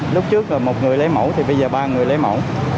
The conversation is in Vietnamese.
lúc trước một người lấy mẫu thì bây giờ ba người lấy mẫu